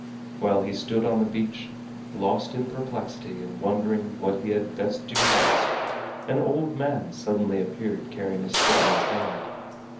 While he stood on the beach, lost in perplexity and wondering what he had best do next, an old man suddenly appeared carrying a stick in his hand.